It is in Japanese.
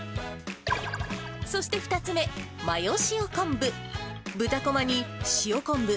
そして二つ目、マヨ塩昆布。